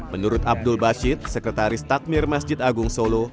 menurut abdul bashid sekretaris takmir masjid agung solo